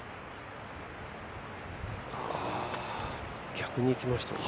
逆に行きましたね。